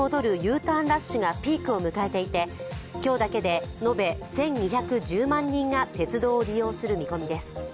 ターンラッシュがピークを迎えていて、今日だけで延べ１２１０万人が鉄道を利用する見込みです。